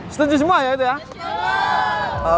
setuju semua ya itu ya